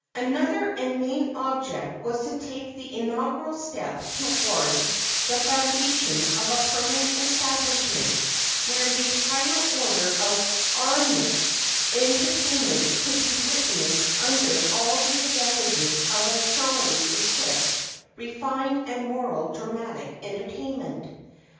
Another and main object was to take the inaugural steps toward the foundation of a permanent establishment, where the higher order of arenic entertainments could be witnessed under all the advantages of a thoroughly equipped, refined and moral dramatic entertainment.